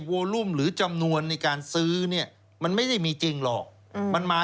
โวลุ่มหรือจำนวนในการซื้อเนี่ยมันไม่ได้มีจริงหรอกมันมา